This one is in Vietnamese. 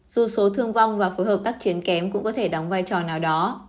dù số thương vong và phối hợp tác chiến kém cũng có thể đóng vai trò nào đó